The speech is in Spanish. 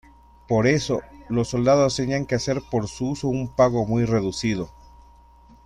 Por eso, los soldados tenían que hacer por su uso un pago muy reducido.